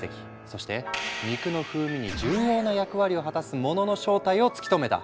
そして肉の風味に重要な役割を果たすものの正体を突き止めた。